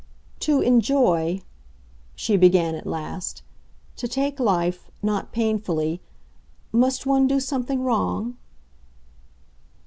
"To 'enjoy,'" she began at last, "to take life—not painfully, must one do something wrong?"